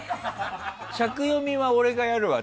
尺読みは俺がやるわ。